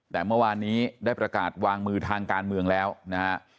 แต่เมื่อวานนี้ได้ประกาศวางมือทางการเมืองแล้วนะฮะ